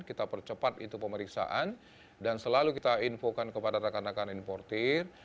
kita percepat itu pemeriksaan dan selalu kita infokan kepada rekan rekan importer